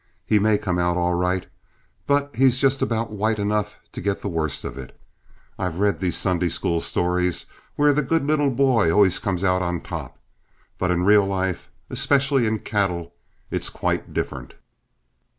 He may come out all right, but he's just about white enough to get the worst of it. I've read these Sunday school stories, where the good little boy always came out on top, but in real life, especially in cattle, it's quite different."